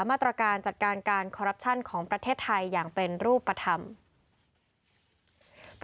มาตรการจัดการการคอรัปชั่นของประเทศไทยอย่างเป็นรูปธรรม